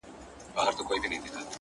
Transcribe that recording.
جدايي وخوړم لاليه ـ ستا خبر نه راځي ـ